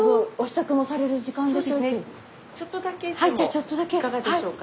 ちょっとだけでもいかがでしょうか。